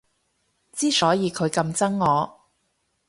之所以佢咁憎我